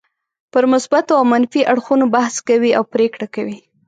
پر مثبتو او منفي اړخونو بحث کوي او پرېکړه کوي.